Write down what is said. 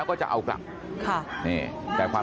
สวัสดีครับคุณผู้ชาย